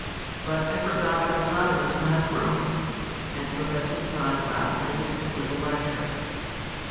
But I forgot I was not in the class room," and Professor Snodgrass ended his little lecture.